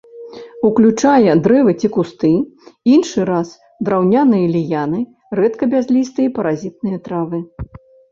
Уключае дрэвы ці кусты, іншы раз драўняныя ліяны, рэдка бязлістыя паразітныя травы.